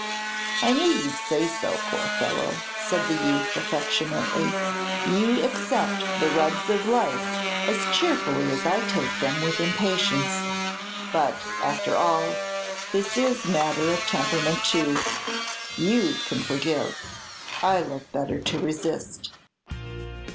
"I knew you 'd say so, poor fellow!" said the youth, affectionately; "you accept the rubs of life as cheerfully as I take them with impatience. But, after all, this is matter of temperament too. You can forgive, I love better to resist."